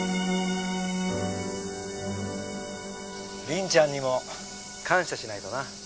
りんちゃんにも感謝しないとな。